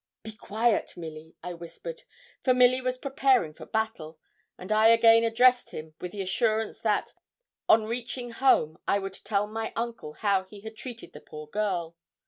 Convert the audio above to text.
'Be quiet, Milly,' I whispered, for Milly was preparing for battle; and I again addressed him with the assurance that, on reaching home, I would tell my uncle how he had treated the poor girl.